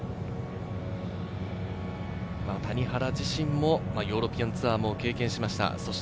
谷原自身もヨーロピアンツアーも経験しました。